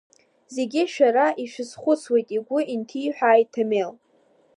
Зегьы шәара ишәызхәыцуеит, игәы инҭиҳәааит Ҭамел.